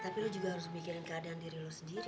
tapi lo juga harus mikirin keadaan diri lo sendiri